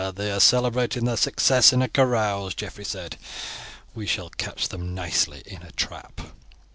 "They are celebrating their success in a carouse," Geoffrey said. "We shall catch them nicely in a trap."